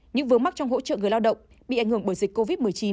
những vướng mắc trong hỗ trợ người lao động bị ảnh hưởng bởi dịch covid một mươi chín